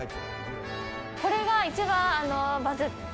これが一番バズって。